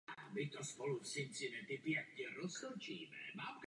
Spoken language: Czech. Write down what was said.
Je dobré, že také klesá nezaměstnanost a že hospodářství roste.